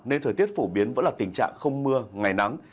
nên thời tiết phổ biến vẫn là tình trạng không mưa ngày nắng